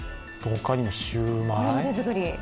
他にもシューマイ。